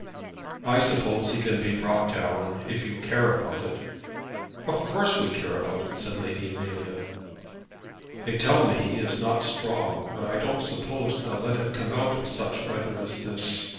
"I suppose he can be brought down, if you care about it." "Of course we care about it," said Lady Amelia. "They tell me he is not strong, and I don't suppose they'll let him come out such weather as this.